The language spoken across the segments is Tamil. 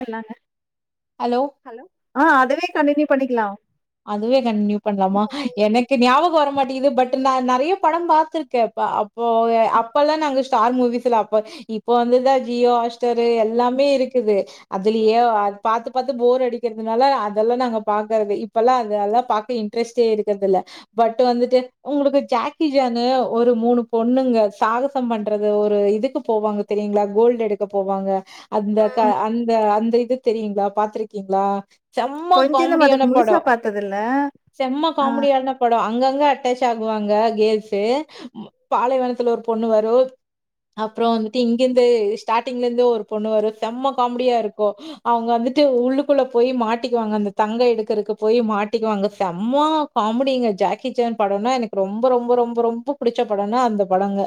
கலாங்க ஹலோ ஆ அதுவே கன்டின்யூ பண்ணிக்கலா அதுவே கண்டினியூ பண்ணலாமா எனக்கு ஞாபகோ வரமாட்டிகிது பட் நா நறையா படோ பாத்திருக்கேப்ப ஓ அப்பல்லா நாங்க ஸ்டார் மூவிஸ்ல அப்ப இப்ப வந்துதா ஜியோ ஹாஸ்ட்ஸ்டாரு எல்லாமே இருக்குது அதுலயே பாத்து பாத்து போர் அடிக்கிறதுனால அதெல்லா நாங்க பாக்கறது இப்பல்லா அது அதல்லா பாக்க இன்ட்ரெஸ்ட்டே இருக்கதல்ல பட் வந்துட்டு உங்களுக்கு ஜாக்கி ஜானு ஒரு மூணு பொண்ணுங்க சாகசோ பண்றது ஒரு இதுக்கு போவாங்க தெரியங்களா கோல்டு எடுக்க போவாங்க அந்த க அந்த அந்த இது தெரியுங்ளா பாத்துருக்கீங்ளா செம்மா கொஞ்சம் நம்ம காமெடியான அதுக்கு முழுசா பார்த்ததில்ல. செம்ம ஆ காமெடி ஆன படோ அங்க அட்டாச் ஆகுவாங்க கேள்ஸு பாலைவனத்ல ஒரு பொண்ணு வரு அப்றோ வந்துட்டு இங்கிருந்து ஸ்டாட்டிங்ல இருந்து ஒரு பொண்ணு வரு செம்ம காமெடியா இருக்கு அவுங்க வந்துட்டு உள்ளுக்குள்ள போய் மாட்டிக்குவாங்க அந்த தங்க எடு இருக்கு போய் மாட்டிக்குவாங்க செம்மா காமெடிங்க ஜாக்கி சான் படம்னா எனக்கு ரொம்ப ரொம்ப ரொம்ப ரொம்ப புடிச்ச படம்னா அந்த படங்க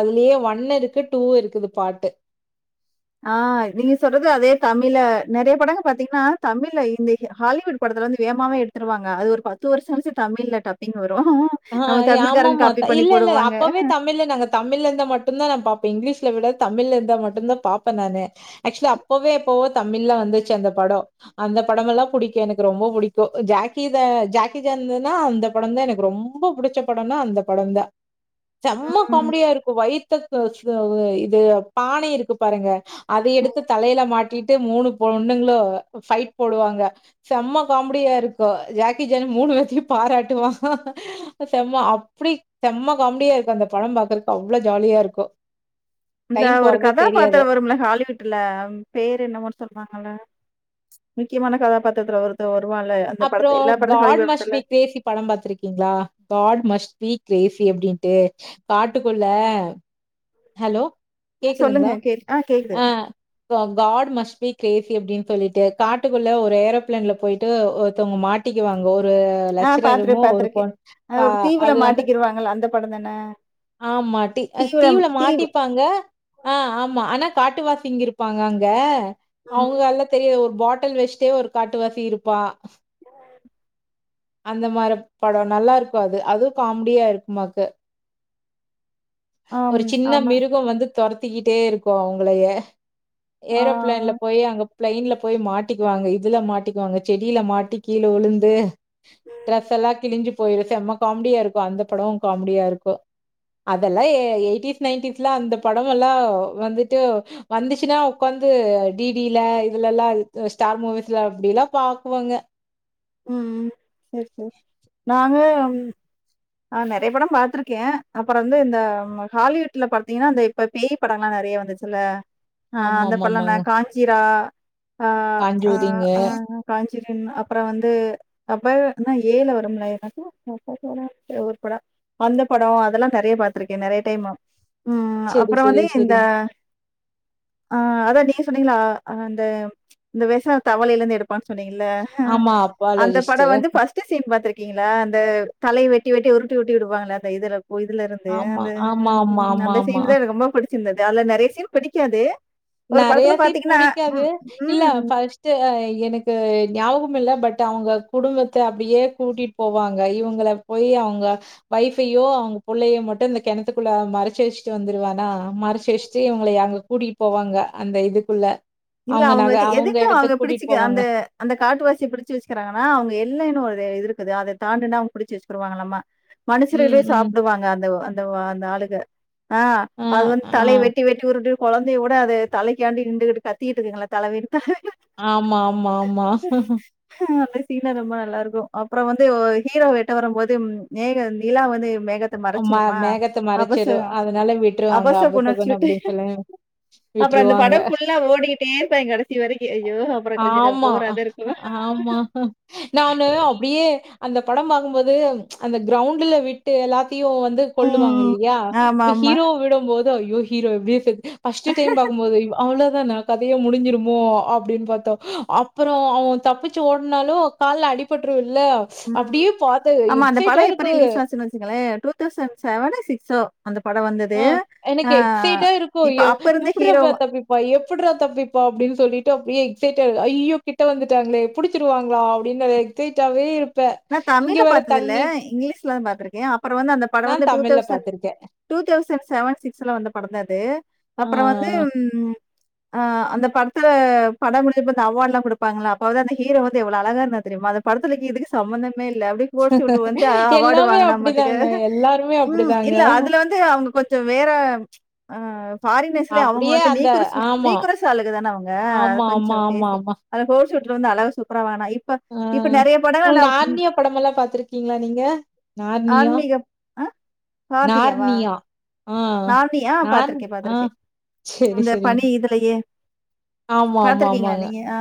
அதுலயே ஒன்னு இருக்கு டூவு இருக்குது பாட்டு ஆ நீங்க சொல்றது அதே தமிழ்ல நெறய படங்கள் பாத்தீங்கனா தமிழ்ல இந்த ஹாலிவுட் படத்துல வந்து வேமாவே எடுத்துருவாங்க அது ஒரு பத்து வருஷ கழுச்சு தமிழ்ல டப்பிங் வரு ஆ ஆமாமா இல்ல இல்ல போடுவாங்க. அப்பவே தமிழ்ல நாங்க தமிழ் இருந்த மட்டுந்தா நா பாப்பே இங்கிலீஷ் விட தமிழ் இருந்தா மட்டுந்தா பாப்பே நானு ஆக்சுவலி அப்பவே எப்பவோ தமிழ்ல வந்துச்சு அந்த படோ அந்த படம் எல்லா பிடிக்கு எனக்கு ரொம்ப புடிக்கு ஜக்கி த ஜக்கிசான் அந்த படந்தா எனக்கு ரொம்ப ரொம்ப புடிச்ச படம்னா அந்த படந்தா செம்மா ம். காமடியா இருக்கு வயித்த இ இது பான இருக்கு பாருங்க அத எடுத்து தலயில மாட்டிட்டு மூனு பொ பொண்ணுங்களு ஃபைட் போடுவாங்க செம்ம‌ காமடியா இருக்கு ஜாக்க ஜாக்கிஜான் மூனு வேத்தயு பாராட்டுவா செம்ம அப்பிடி செம்மா காமடியா இருக்கு அந்த பட பாக்குறதுக்கு அவ்ளோ ஜாலியா இருக்கு இந்த டைம் ஒரு போறதே கதாபாத்திரோ தெரியாது வரும்ல ஹாலிவுட்டுல பேரு என்னமோன்னு சொல்லுவாங்கள முக்கியமான கதாபாத்துரத்ல ஒருத்த ஒரு அப்றோ காட் மஷ்வீத்தேசி படம் பாத்திருக்கீங்ளா காட் மஷ்வீத் கேசி அப்டின்ட்டு காட்டுக்குள்ள ஹலோ ம் சொல்லுங்க கேக்குதுங்ளா கேக் ஆ கேக்குது. அ காடு மஷ்வீத் கேசி அப்டின்னு சொல்லிட்டு காட்டுக்குள்ள ஒரு ஏரோபிளேன்ல போயிட்டு ஒருத்தவங்க மாட்டிக்குவாங்க ஒரு ஒரு ஆ லட்சிரம் பார்த்துரு இருமோ ஒரு பொ பார்த்துருக்கேன். அது ஒரு தீவுல அது வந்து மாட்டிக்கிருவாங்கல்ல அந்த படம் தான? ஆ மாட்டி தீவிரம் தீவுல தீவு மாட்டிப்பாங்க ஆ ஆமா ஆனா காட்டு வாசிங்க இருப்பாங்க அங்க ம். அவுங்க அல்லா தெரியு ஒரு பாட்டில் வச்சுட்டே ஒரு காட்டு வாசி இருப்பா உஹ [unintelligible] அந்த மாரி படோ நல்லா இருக்கு அது அதுவு காமெடியா இருக்கு பாக்க ஆம். ஒரு சின்ன ஆமா. மிருக வந்து தொரத் சுத்திக்கிட்டே இருக்கு அவுங்களயே ஆ. ஏரோ பிளைன்ல போய் அங்க பிளைன்ல போய் மாட்டிக்குவாங்க இதுல மாட்டிக்குவாங்க செடில மாட்டி கீழ விழுந்து டட்ரஸ்ல்லா கிழிஞ்சு போயிரு செம்ம காமெடியா இருக்கு அந்த படோ காமெடியா இருக்கு அத் அதெல்லா எயிட்டீஸ் நைன்டிஸ் எலா அந்த படம் நல்லா வந்துட்டு வந்துச்சுனா உக்காந்து டிடில இதுல எல்லா ஸ்டார் மூவிஸ்ல அப்படில்லா பாக்குவாங்க உ உ சரி சரி நாங்க நறய படோ பாத்தருக்கே அப்புறோ வந்து இந்த ஹாலிவுட்ல பாத்தீங்கன்னா இந்த இப்போ பேய் படங்கள்ல நறைய வந்துச்சுல்ல அ அந்த பள்ளந்தா ஆமாமாமாங்க காஞ்சீரா அ அ காஞ்சூரிங்கு அ காஞ் [unintelligible] அப்றோ வந் து அப்போ ஏல வரும்லா ஏனாக்கா அப்பா படோ ஒரு படோ அந்த படோ அதெல்லா நிறய பாத்திருக்கே நிறய டைம்உ உ செரி அப்புறோ வந்து செரி இந்த செரிங் ஆ அதா நீங்க சொன்னீங்களா அந்த இந்த விச தவலையில இருந்து எடுப்பான்னு சொன்னீங் இல்ல ஹ ஆமா அந்த அப்பாலஜிஸ்ட் படோ வந்து ஃபர்ஸ்ட் சீன் பாத்திருக்கே திங்களா அந்த தலைய வெட்டி வெட்டி உருட்டி உருட்டி விடுவாங்களா அந்த இதுல இதுல இருந்து ஆமா அந்த ஆமா ஆமா ஆமா அந்த ஆமா சீன் தா எனக்கு ரொம்ப பிடிக் இல்லஅதுல நறைய சீன் படிக்காது நறைய சீன் புடிக்காது இல்ல ம் ஃபர்ஸ்ட் எனக்கு ஞாபகோ இல்ல பட் அவுங்க குடும்பத்த அப்டியே கூட்டிட்டு போவாங்க இவுங்கள போய் அவுங்க வைஃப்பையோ அவுங்க பிள்ளையோ மட்டு இந்த கிணத்துக்குள்ள மறைச்சி வச்சுட்டு வந்துருவானா மறைச்சிவச்சுட்டு இவங்கள அங்க கூட்டிட் போவாங்க அந்த இதுக்குள்ள இல்ல அவங்க அவுங்க நக எதுக்கு அவங்க இடத்துக்கு கூட்டிட்டு பிடிச்சுக்கு அந்த போவாங்க. அந்த காட்டுவாசிய பிடிச்சு வச்சுக்குறாங்கன்னா அவங்க எல்லன்னு ஒரு இதுருக் இருக்குது அத தாண்டுனா அவுங்க பிடிச்சு வச்சுகிருவாங்களாமா ம், மனுஷரிலயே ம். சாப்பிடுவாங்க அந்த அந் ந்தவா அந்த ஆளுக ஆ அது வந்து ஆ. தலைய வெட்டி வெட்டி உருட்டி உருட் குழந்தையோட அது தலைக்காண்டி நிண்டுகிட்டு கத் [unintelligible] இருக்குங்களா தலைக் [unintelligible] ஆமா ஆமா ஆமா சீன ரொம்ப நல்லா இருக்கு அப்புற வந்து ஹீரோ வெட்ட வரும்போது மேக நிலா வந்து மேகத்த ஆமா மறைச்சிருமா? மேகத்த மறைச்சிரு அபசகுணம் அதனால விட்டுருவாங்க அபசகுணம்னு அபசகுணம் சொல்லிட்டு அப்படின்னு சொல்லி விட்டுருவாங்க தேன்தா கடைசி வரைக்கு ஐயோ அப்புறோ கொஞ்ச ஆமா. போறா தா இருக்கு ஆமா. நானு அப்படியே அந்த பட பாக்கும்போது அந்த கிரவுண்டுல விட்டு எல்லாத் தியு வந்து கொல்லுவாங்க ம். இல்லியா இப்ப ஆமாமா. ஹீரோ விடும்போது இத அய்யோ ஹீரோ எப்டியோ செத் ஃபஸ்ட்டு டைம் பாக்கு போது இவா அவ்ளோதா நா கதையே முடிஞ்சுருமோ அப்டின்னு பாத்தோ அப்பறம் அவ தப்பிச்சு ஓடினாலு கால்ல அடிபட்டுறு இல்ல ஸ் ம். அப்டியே பாத்த எக்சைட்டா இருக்கு டூசன் செவனோ சிக்ஸோ ஆ எனக்கு எக்சைட்டா இருக்கு இப்ப அப்ப இருந்த ஹீரோ எப்புட்றாபா தப்பிப்பா எப்புட்றா தப்பிப்பா அப்டின்னு சொல்லிட் அப்டியே எக்சைட்டா ஐயோ கிட்ட வந்துட்டாங்களே புடிச்சுருவாங்களா அப்டின்னு எக்சைட்டாவே இருப் நா தமிழ்ல பாத்தது இல்ல இங்கிலீஷ்ல தா பாத்திருக்கே அப்பறம் வந்து அந்த பட நான் வந்து டூ தமிழ்ல தவுசண்ட் பார்த்துருக்கேன். டூ தவுசண்ட் செவன் சிக்ஸ்ல வந்த பட தா அது ஆ அப்பறம் வந்து ஆ அந்த படத்துல படம் முடிஞ்சப்ப அந்த அவார்ட எல்லா குடுப்பாங்கள அப்ப அந்த ஹீரோ வந்து எவ்ளோ அழகா இருந்தா தெரியுமா அந்த படத்துல இதுக்கு சம்மந்த மே இல்ல அப்டியே கோட்டு சூட்டுல வந்து அவார்டு எல்லாமே வாங்கின அப்படிதாங்க. பாத்துக்க எல்லாருமே ம் அப்படிதாங்க. இல்ல அதுல வந்து அவுங்க கொஞ்ச வேற பாரினர்ஸ்லே அவுங்க அப்படியே வந்து அந்த நீக்குருஸ் ஆமா. நீக்குருஸ் ஆளுக தானே அவுங்க ஆமா, ஆமா, கொஞ்ச ஆமா, பேஸ் ஆமா. அந்த கோட் சூ இது வந்து அளவு சூப்பரா வாங்கினாப் இப்ப ஆ. இப்ப நெறைய படங்கள் ம் நான் நார்னியா பட எல்லா பாத்துருக்கீங்களா நீங்க நார்னியா அ நார்னியாவா நார்னியா. ஆ. நார்னியா நான் பாத்துருக்கே ஆ பாத்துருக்கே சரி, இந்த சரிங்க. பனி இதுலயே ஆமா, ஆமா, ஆமாங்க. பாத்துருக்கீங்களா நீங்க ஆ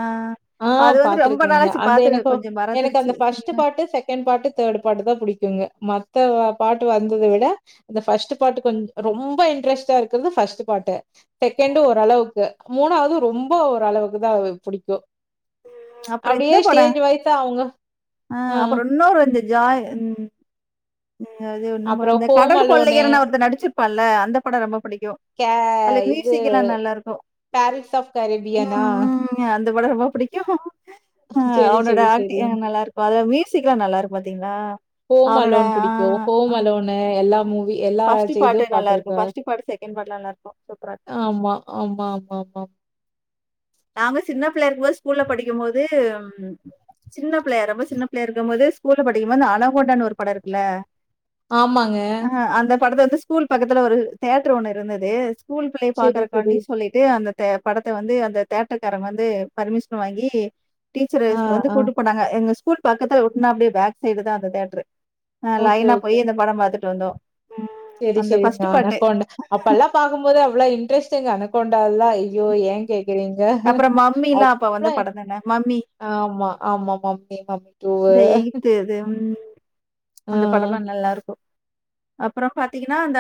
ஆ அது வந்து ரொம்ப நாளாச்சு பாத்துரு கொஞ்ச மரத்துருக் first part second part third பாட்டுதா புடிக்குங்க மத்த பாட்டு வந்தத விட இந்த ஃபர்ஸ்ட் பாட்டு கொஞ் ரொம்ப இன்ட்ரெஸ்ட்டா இருக்கறது ஃபஸ்ட் பாட்டு செகண்டு ஓரளவுக்கு மூணாவது ரொம்ப ஒருளவுக்குதா புடிக்கு அப்பறம் இந்த பட அவங்க ஆ அ அப்பறம் இன்னொரு வந்து ஜாய் [unintelligible] ஆ அது என்னமோ அப்புறம் இந்த ஹோம் கடல் அலோனு, கொள்ளையருனு ஒருத்த நடிச்சுரு ப்பால்ல அந்த படோ ரொம்ப புடிக் க்கே இது பாரிட்ஸ் ஆஃப் கரேபியானா த படோ ரொம்ப பிடிக் கு ஆ சரி, அவனோட சரி, ஆக்டிங் சரி. ஆ நல்லா இருக்கு அதுல மியூசிக் எல்லா நல்லா இருக்கு பாத்தீங்களா ஹோம் அவனோட அலோன் ஆ புடிக்கும். ஹோம் அம் அலோனு எல்லா ம் மூவி எல்லா ஃபஸ்ட்டு இதுவும் நல்லா இருக்கு பாத்துருக்கேன். ஃபஸ்ட்டு பாட்டு செகண்ட் பாட்லா நல்லா இருக்கு சூப்பரா இருக்கு ஆமா, ஆமா, ஆமா, ஆமா. நாங்க சின்னப் பிள்ளையா இருக்கும்போது ஸ்கூல்ல படிக்கும் போது சின்னப் பிள்ளையா ரொம்ப சின்ன பிள்ளையா இருக்கும் போது ஸ்கூல்ல படிக்கும்போது இந்த அனகோண்டானு ஒரு படோ இருக்கல்ல ஆமாங்க. ஆ அந்த படத்த வந்து ஸ்கூல் பக்கத்துல ஒரு தியேட்ரு ஒண்ணு இருந்தது ஸ்கூல் பிள்ளைய சரி, சரி. பாக்கறக்காண்டி சொல்லிட்டு அந்த ட்ட படத்த வந்து அந்த தியேட்ருகார வந்து பர்மிஷன் வாங்கி ஆ, டீச்சர்ஸ் வந்து ஆ. கூட்டு போனாங்க எங்க ஸ்கூல் பக்கத்துல ஒட்னாப்டியே பேக் சைடுதா அந்த தியேட்ரு ஆ லைனா போயி அந்த படம் பாத்துட் டு வந்தோ செரி செரிங்க அனகோண்டா அப்பல்லா பாக்கும்போது அவ்ளோ இன்ட்ரெஸ்டுங்க அன கோண்டால்லா ஐயோ யேன் கேக்கறீங் அப்புறம் மம்மிலாம் அப்ப அவ்ளா வந்த படம் தான. மம்மி ஆமா ஆமா மம்மி மம்மி இந்த எகிப்து இது ம் அ, அந்த படல்லா நல்லா இருக்கு அப்புறம் பாத்தீங்கன்னா இந்த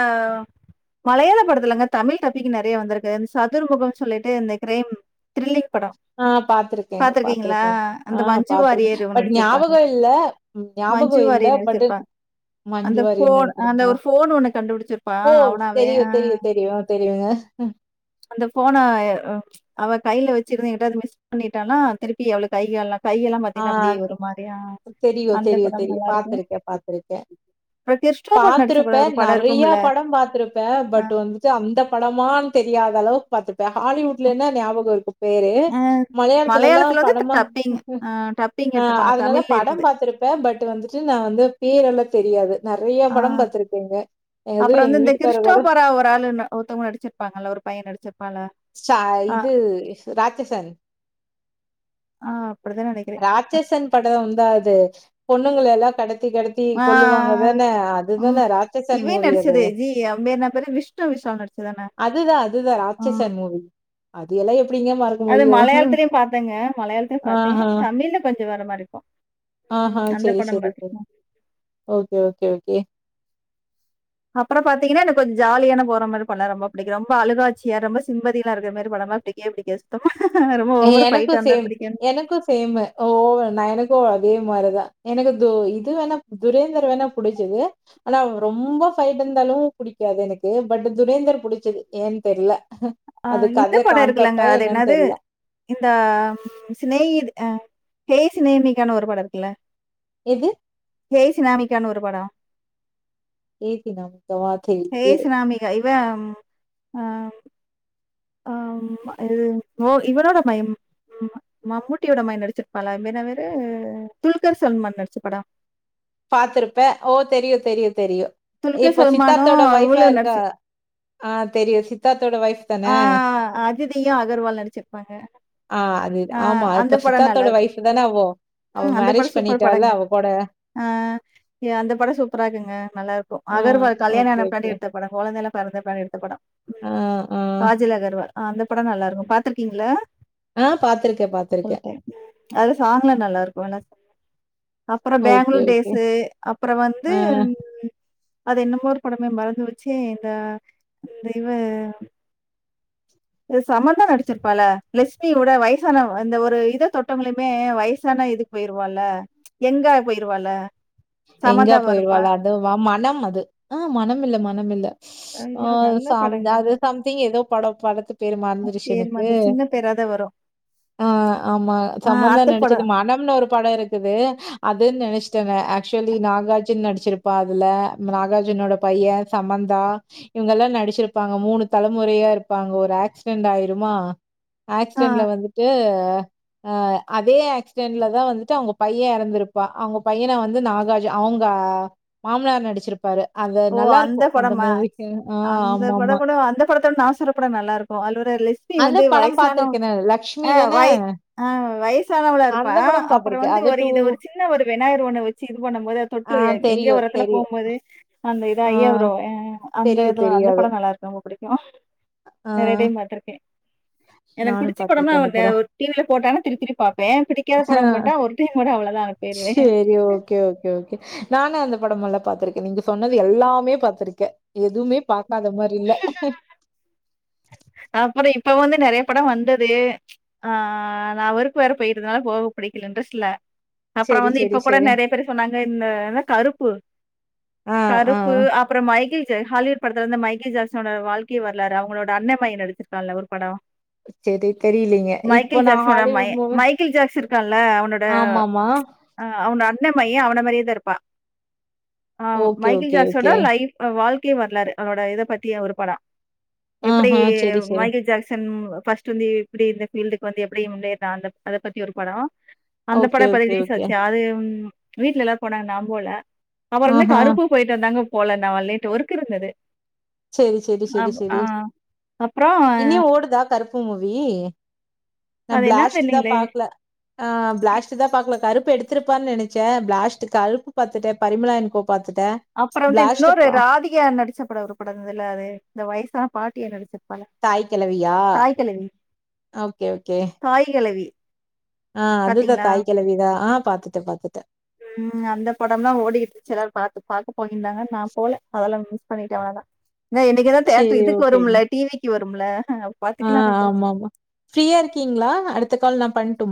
மலையாள படத்துலங்க தமிழ் டப்பிங்கு நெறைய வந்திருக்கு இந்த சதுர்முகம்னு சொல்லிட்டு இந்த க்ரைம் த்ரில்லிங் படம். ஆ பாத்துருக்கேங்க பாத்திருக்கீங்களா? பாத்துருக்கே ஆ பாத்துருக்கே பட் ஞாப அ மஞ்சுவாரியர் பட் நடிச்சிருப்பா மஞ்சு அந்த வாரியர் ஃபோன் அந்த நடிச்சிருக்கா? ஒரு ஃபோன் ஒண்ணு கண்டுபிடிச்சிருப்பா ஓ! அவனாவே ஆ தெரியும், தெரியும், தெரியும், தெரியுங்க. அந்த ஃபோன எ அ அவ கைல வச்சிருந்து எங்கிட்டாது மிஸ் பண்ணிட்டான்னா திருப்பி அவளுக்கு கை கால்லா கையெல்லா பாத்தீங்னா அப்டியே ஒரு மாரி தெரியு தெரியு தெரியு பாத்துருக்கே பாத்துருக்கே அப்புறம் கிறிஸ்டோபர் நடிச்ச படம் பாத்துருப்பே ஒரு படம் நெறைய இருக்கும்ல. படம் பாத்திருப்பே அ பட்டு வந்துட்டு அந்த படமான்னு தெரியாத அளவு பாத்திருப்பே ஹாலிவுட்லனா ஞாபகோ இருக்கு பேரு அ மலையாளத்துலல்லா மலையாளத்துல வந்து படமா டப்பிங் அ டப்பிங் ஆஹ் எடுத்திருப்பாங்க. அதுல தான் தமிழ்ல படம் இருக்குது. பார்த்திருப்பேன் பட் வந்துட்டு நான் வந்து பேரெல்ல தெரியாது நெறைய படம் ஆஹ் பாத்திருக்கேங்க. எது அப்புறம் எங்க வந்து இந்த வீட்டுக்கார கூட கிறிஸ்டோபரா ஒரு ஆளு ஒருத்தவங்க நடிச்சிருப்பாங்கல்ல ஒரு பையன் நடிச்சிருப்பால சா இது ராட்சசன் ஆ அப்படிதான் நெனைக்கிறேன். ராட்சசன் படம் வந்தான் அது செர் பொண்ணுங்ள எல்லாம் கடத்தி கடத்தி ஆ, கொல்லுவாங்க தானே ம். அதுதானே ராச்சன் இவன் மூவி அது நடிச்சது. ஜி அவன் பேரு என்ன பேரு? விஷ்ணு விஷால் நடிச்சதுதானே? அதுதான் அதுதான் ம் அது எல்லாம் அது மலையாளத்திலையும் பார்த்தேங்க மலையாளத்தையும் பார்த்தேன் ஆஹா. தமிழ்ல கொஞ்சம் வேற மாதிரிக்கும் ஆஹா. அந்த சரி, படம் சரி, பார்த் சரி. Okay, okay, okay. அப்புறம் பாத்தீங்கன்னா எனக்கு கொஞ்ச ஜாலியான போற மாதிரி படம்னா ரொம்ப பிடிக்கும் ரொம்ப அழுகாட்சியா ரொம்ப சிம்பதியாலாம் இருக்க மாதிரி படலாம் பிடிக்கவே பிடிக்காது ரொம்ப ஓவர் ஃபைட்டா எனக்கும் இருந்தா சேம் பிடிக்காது. எனக்கும் சேமு ஓ நான் எனக்கும் அதே மாதிரிதான் எனக்கு த இது வேணா துரேந்தர் வேணா புடிச்சது ஆனா ரொம்ப ஃபைட் இருந்தாலும் பிடிக்காது எனக்கு பட் துரேந்தர் புடிச்சது ஏன்னு தெரியல அஹ் இந்த படம் இருக்குலங்க அது என்னன்னு என்னது தெர்ல. இந்த சினேகி அஹ் ஹே் சினேகிக்கான ஒரு படம் இருக்குல்ல எது ஹேய் சினாமிக்கான்னு ஒரு படம் எயிட்ட்டின் ல ஒரு வாட்டி அஹ ஆஹ் இது இவனோட மயன் ம் மமுட்டியோட மயன் நடிச்சிருப்பான் அது வேன்ன பேரு துல்கர் சொல்மன் நடிச்ச படம் பாத்துருப்பேன் ஓ தெரியும் தெரியும் தெரியும் துல்கர் இப்போ சல்மானும் சித்தார்த்தோட ஒய்பா இவளும் இருக்கா நடிச்சு ஆஹ் தெரியும் சித்த சித்தோட ஒய்ப் தானே ஆ அதிதியும் அகர்வால் நடிச்சிருப்பாங்க. ஆஹ் அது ஆ ஆமா அந்த இப்ப படம் சித்தாரத்தோட நல்லாருக்கும். ஒயஃப் தானே அவோ அவ மேரேஜ் பண்ணிட்டால அவ கூட ஆஹ் அந்த படம் சூப்பரா இருக்குங்க நல்லா இருக்கும் ஆ அகர்வால் கல்யாணம் ஓகே, ஆன பின்னாடி ஓகே. எடுத்த படம் குழந்தைல பிறந்த பிறகு எடு ன படம் ஆ, ஆ. காஜல் அஹர்வால் அந்த படம் நல்லா இருக்கும் பாத்துருக்கீங்கலா ஆ பாத்துருக்கேன், பாத்துருக்கேன். அது சாங்க்ல நல்லா இருக்கும்ல்ல அப்புறம் ஓகே, பெங்களூர் ஓகே. டேஸ் அப்பறம் வந்து ஆ அது என்னமோரு படமே மறந்து போச்சே இந்த இந்த இவ சமந்தா நடிச்சிருப்பால லஷ்மி ஊட வயசானங்க இந்த ஒரு இத தொட்டங்களையுமே வயசான இதுக்கு போயிருவோல யங்கா போயிருவால எங்கா போயிருவால அது வா மனம் அது ஆ மனம் இல்ல மனம் இல்ல ஆ ஐயோ! நல்ல ச படங்க. அது சம்திங் ஏதோ படம் படத்து பேரு மறந்துருச்சு பேர் எனக்கு மறந்து சின்ன பேரா தான் வரும். ஆ ஆமா ஆ சமந்தா அந்த நடிச்சது படம். மணம்னு ஒரு படம் இருக்குது அதுன்னு நினைச் சுமே ஆக் ஆக்சுவலி நாகார்ஜுன் நடிச்சிருப்பா அதுல நாகார்ஜனோட பையே சமந்தா இவங்க எல்லா நடிச்சிருப்பாங்க மூணு தலைமுறையா இருப்பாங்க ஒரு ஆக்சிடென்ட் ஆயிருமா ஆ. ஆக்சிடென்ட்ல வந்துட்டு ஆ அதே ஆக்சிடென்ட்ல தா வந்துட்டு அவங்க பையே இறந்திருப்பா அவங்க பையன வந்து வந்து நாகாஜ் அவங்க மாமனார் நடிச்சிருப்பாரு அது ஓ அந்த நல்லாருக்கும். படமா மூவி. ஆ அந்த பட ஆமாமா. கூட அந்த படத்தோட நா சொல்ற படோ நல்லாருக்கு [unintelligible] லட்சுமி அந்த வந்து படம் பார்த்துருக்கேனே. லக்ஷ்மி வயசானவஆ தானே? வய ஆ வயசானவல இருப்பா அந்த படம் அப்புற பார்த்துருக்கேன். வந்து அது ஒரு இத ஒரு சின்ன ஒரு வெநாயிறு ஒண்ணு வச்சு இது பண்ணும் போது அத ஆ தொட்டு எங்கய தெரியும், ஒரு எத்துல தெரியும். போம்போது அந்த இது ஐய ஆ. ப்ரோ அந்த தெரியு இதுல வந்த தெரியாது படம் நல்லா இருக்கு ரொம்ப புடி ஆ ஆ நறைய டைம் பாத்திருக்கே எனக்கு நானு பிடிச்ச படம்னா பாத்திருக்கே அந்த படோ ஒரு டிவில போட்டானா திருப்பி திருப்பி பாப்பே பிடிக்காத படோ போட்டா ஒரு டைம் கூட அவ்ளோதா போயிருவே சேரி படமல்ல பாத்துருக்கே நீங்க சொன்னது எல்லாமே பாத்துருக்கே எதுவுமே பாக்காத மாரி இல்ல [inaudible] அப்ற இப்ப வந்து நறைய படம் வந்தது ஆ நா ஒர்க் வேற போயிருதுனால போக பிடிக்கல இன்ரஸ்ட் இல அப்பற சேரி வந்து இப்ப சேரி கூட சேரி நெறைய பேரு சொன்னாங்க இந்த கருப்பு ஆ ஆ கருப்பு அப்பற மைக்கேல் ஜாக் ஹாலிவுட் படத் இருந்து மைக்கேல் ஜாக்சனோட வாழ்க்க வரலாறு அவங்களோட அண்ண பையன் எடுத்திருக்கான்ல ஒரு படோ சேரி தெரியலீங்க இப்போ மைக்கேல் நா ஜாக்சனோட மயே ஹாலிவுட் மூவி மைக்கேல் ஜாசே இருக்கான்ல அவனோட ஆமாமா அ அவனோ அ அண்ண மையே அவன மாரியே தா இருப்பா ஓகே மைக்கில் ஓகே ஜாக்சோட ஓகே லைஃப் வாழ்க் க்கிய வரலாரு அவனோட இத பத்தி ஒரு படோ ப்படி ஆஹா சேரி சேரி மைக்கேல் ஜாக்சன் ஃபஸ்ட் வந்து எப்டி இந்த பீல்டுக்கு வந்து எப்டி [unintelligible] அத பத்தி ஒரு படோ அந்த ஓகே படோ இப்ப ஓகே ரிலீஸ் ஓகே ஆச்சு அது உ வீட்டு்ல எல்லார் போனாங்க நா போல அப்புறம்ந்து ஆஹா கருப்பு போயிட்டு வந்தாங்க போல நா வளன்ட்டு ஒர்க்கு இருந்தது செரி செரி செரி அப் ஆ செரி அப்புறம் இன்னியு ஓடுதா கருப்பு மூவி? ஆ அது என்னன்னு பிளாஸ்ட்டுதா தெரியலீங்களே! பாக்கல ஆ பிளாஸ்ட்டுதா பாக்கல கருப் பு எடுத்திருப்பான்னு நெனைச்சே பிளாஸ்ட்டு கருப்பு பாத்துட்டே பரிமளா அன் கோ பாத்துட்டேன். அப்புறோ வந்து பிளாஸ்ட் இன்னொரு பா ராதிகா நடிச்ச படோ ஒரு ப டோ இருந்துதுல அது இந்த வயசான பாட்டியா நடிச்சுரு தாய்க் கெழவியா ஓகே ஓகே தாய் கிழவி ஆ அதுதா பாத்தீங்களா தாய் கெழவிதா ஆ பாத்துட்ட பாத்துட்ட ம் அந்த படம்லா ஓடிட்டு இருந்துச்சு எல்லாரு பாத்து பாக்க போயிருந்தாங்க நா போல அதெல்லா மிஸ் பண்ணிட்டே அவ்ளதா ஏன்னா என்னைக்கு இருந்தாலு தேட்ரு சரி இதுக்கு ஓகேங்க. வரும்ல டி வி க்கு வரு ம்ல ஆ ஆமா ஆமா ஃப்ரீயா இருக்கீங்களா அடுத்த கால் நா பண்